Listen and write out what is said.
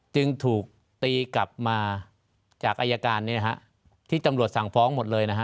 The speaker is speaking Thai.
จึงถูกตีกลับมาจากอายการที่ตำรวจสั่งฟ้องหมดเลยนะฮะ